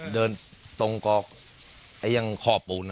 เดินตรงเกาะข่อปูน